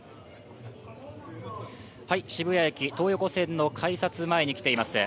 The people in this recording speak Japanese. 渋谷駅、東横線の改札前に来ています。